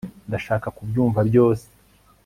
ndashaka kubyumva byose